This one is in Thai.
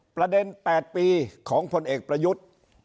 ประเด็น๘ปีของผลเอกประยุทธ์